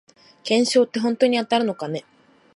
懸賞ってほんとに当たるのかね